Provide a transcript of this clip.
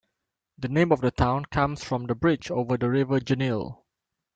The name of the town comes from the bridge over the river Genil.